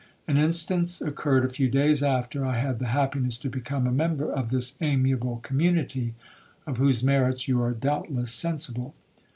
An instance occurred a few days after I had the happiness to become a member of this amiable community, of whose merits you are doubtless sensible.